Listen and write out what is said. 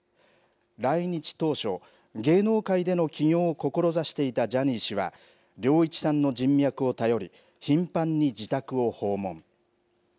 来日当初、芸能界での起業を志していたジャニー氏は、良一さんの人脈を頼り、頻繁に自宅を訪問。